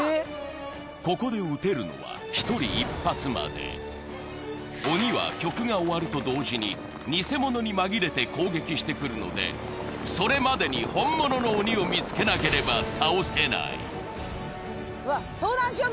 ここで撃てるのは１人１発まで鬼は曲が終わると同時にニセモノに紛れて攻撃してくるのでそれまでに本物の鬼を見つけなければ倒せないわっ相談しよう